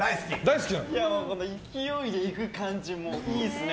勢いでいく感じがいいですね。